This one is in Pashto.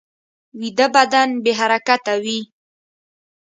ویده بدن بې حرکته وي